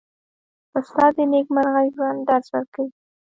استاد د نېکمرغه ژوند درس ورکوي.